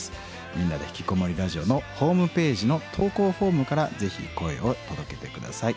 「みんなでひきこもりラジオ」のホームページの投稿フォームからぜひ声を届けて下さい。